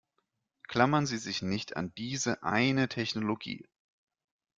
Klammern Sie sich nicht an diese eine Technologie.